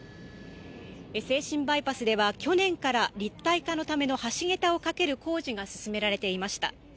静清バイパスでは去年から立体化のための橋げたをかける工事が進められていました。